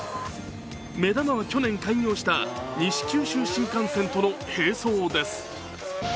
目玉は、去年開業した西九州新幹線との並走です。